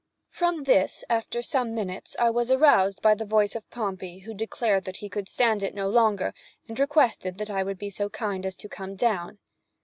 From this, after some minutes, I was aroused by the voice of Pompey, who declared that he could stand it no longer, and requested that I would be so kind as to come down.